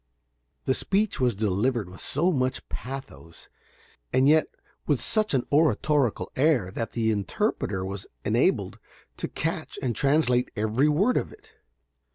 This speech was delivered with so much pathos, and yet with such an oratorical air, that the interpreter was enabled to catch and translate every word of it.